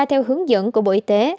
theo hướng dẫn của bộ y tế